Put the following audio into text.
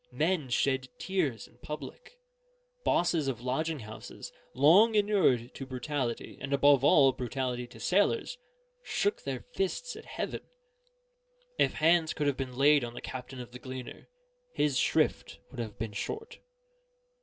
Men shed tears in public; bosses of lodging houses, long inured to brutality, and above all, brutality to sailors, shook their fists at heaven: if hands could have been laid on the captain of the Gleaner, his shrift would have been short.